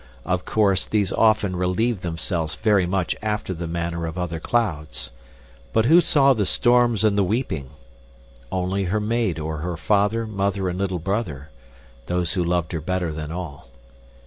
Of course, these often relieved themselves very much after the manner of other clouds. But who saw the storms and the weeping? Only her maid or her father, mother, and little brother those who loved her better than all.